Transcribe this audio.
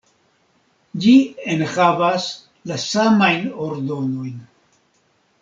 Ĝi enhavas la samajn ordonojn.